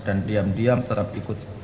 dan diam diam tetap ikut